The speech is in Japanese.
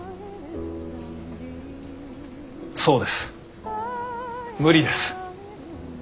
そうです無理です。